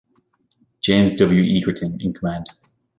James W. Egerton in command.